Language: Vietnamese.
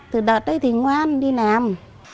từ đợt đấy thì ngoan đi làm